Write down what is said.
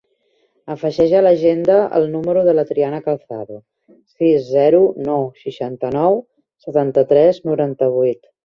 Afegeix a l'agenda el número de la Triana Calzado: sis, zero, nou, seixanta-nou, setanta-tres, noranta-vuit.